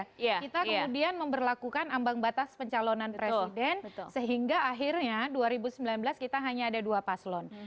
kita kemudian memperlakukan ambang batas pencalonan presiden sehingga akhirnya dua ribu sembilan belas kita hanya ada dua paslon